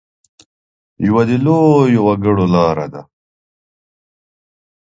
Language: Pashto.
یوه د لویو وګړو لاره ده.